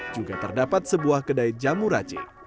juga terdapat sebuah kedai jamu racik